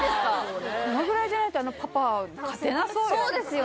そのぐらいじゃないとあのパパは勝てなそうよ